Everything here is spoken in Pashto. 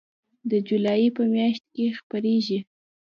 د جولای په میاشت کې خپریږي